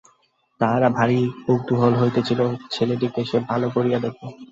তাহারা ভারি কৌতুহল হইতেছিল, ছেলেটিকে সে ভালো করিয়া দেখে।